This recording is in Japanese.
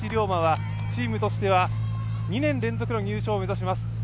真はチームとしては２年連続の入賞を目指します。